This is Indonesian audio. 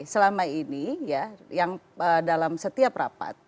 selama ini ya yang dalam setiap rapat